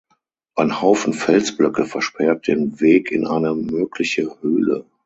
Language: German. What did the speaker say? Ein Haufen Felsblöcke versperrt den Weg in eine mögliche Höhle.